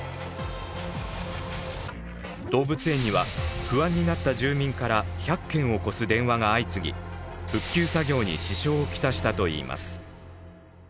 動物園には不安になった住民から１００件を超す電話が相次ぎ復旧作業に支障を来したといいます。